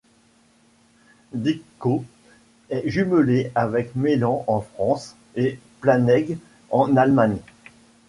Didcot est jumelé avec Meylan en France et Planegg en Allemagne.